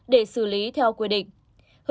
để xử lý theo quy định